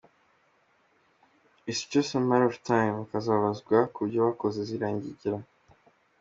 it s just a matter of time bakazabazwa kubyo bakoze ziriya ngegera.